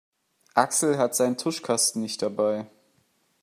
Axel hat seinen Tuschkasten nicht dabei.